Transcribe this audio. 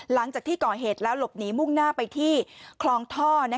หลังจากที่ก่อเหตุแล้วหลบหนีมุ่งหน้าไปที่คลองท่อ